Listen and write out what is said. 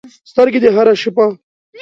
سترګې دې هره شپه